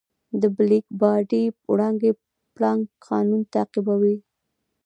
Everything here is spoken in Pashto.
د بلیک باډي وړانګې پلانک قانون تعقیبوي.